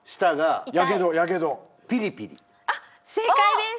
正解です